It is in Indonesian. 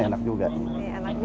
ini enak juga ya ini